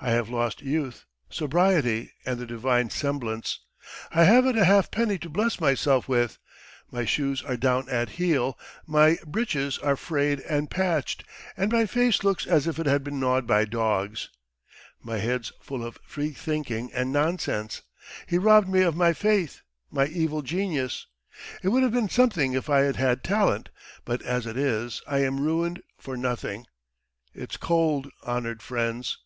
I have lost youth, sobriety, and the divine semblance. ... I haven't a half penny to bless myself with, my shoes are down at heel, my breeches are frayed and patched, and my face looks as if it had been gnawed by dogs. ... My head's full of freethinking and nonsense. ... He robbed me of my faith my evil genius! It would have been something if I had had talent, but as it is, I am ruined for nothing. ... It's cold, honoured friends. ..